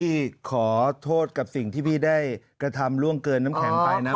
พี่ขอโทษกับสิ่งที่พี่ได้กระทำล่วงเกินน้ำแข็งไปนะ